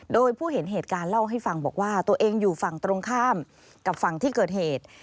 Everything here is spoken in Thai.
โดยผู้เห็นเหตุการณ์เล่าให้ฟังบอกว่าตัวเองอยู่ฝั่งตรงข้ามกับฝั่งที่เกิดเหตุ